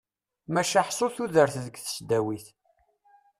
Maca ḥsu tudert deg tesdawit.